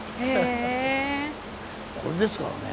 これですからね。